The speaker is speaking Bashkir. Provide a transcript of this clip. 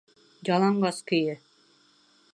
Яланғас көйө!